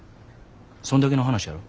そんだけの話やろ。